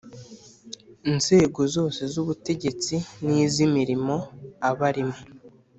nzego zose z'ubutegetsi n'iz'imirimo aba arimo,